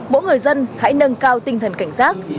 mỗi người dân hãy nâng cao tinh thần cảnh giác